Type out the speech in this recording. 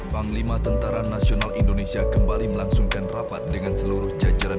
panglima tentara nasional indonesia kembali melangsungkan rapat dengan seluruh jajaran